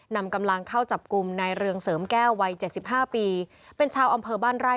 นำกำลังเข้าจับกลุ่มนายเรืองเสริมแก้ววัยเจ็ดสิบห้าปีเป็นชาวอำเภอบ้านไร่